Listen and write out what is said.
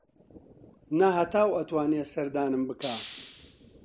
نە هەتاو ئەتوانێ سەردانم بکا